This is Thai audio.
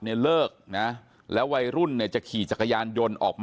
อายุ๑๐ปีนะฮะเขาบอกว่าเขาก็เห็นถูกยิงนะครับ